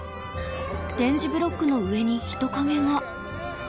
点字ブロックの上に人影がチッ。